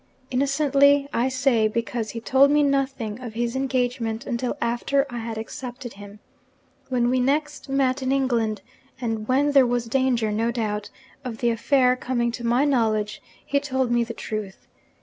Innocently, I say because he told me nothing of his engagement until after I had accepted him. When we next met in England and when there was danger, no doubt, of the affair coming to my knowledge he told me the truth.